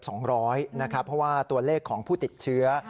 เพราะว่าตัวเลขของผู้ติดเชื้อ